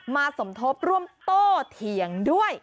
สมทบร่วมโตเถียงด้วย